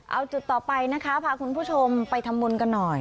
เอาจุดต่อไปนะคะพาคุณผู้ชมไปทำบุญกันหน่อย